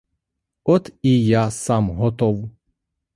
От і я сам готов.